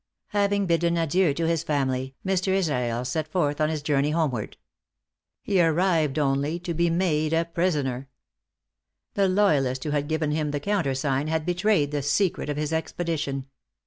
Having bidden adieu to his family, Mr. Israel set forth on his journey homeward. He arrived only to be made a prisoner. The loyalist who had given him the countersign, had betrayed the secret of his expedition.